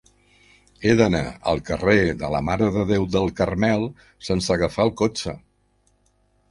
He d'anar al carrer de la Mare de Déu del Carmel sense agafar el cotxe.